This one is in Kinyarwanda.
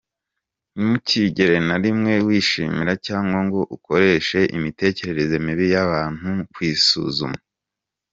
Ntukigere na rimwe wishimira cyangwa ngo ukoreshe imitekerereze mibi y'abantu mu kwisuzuma.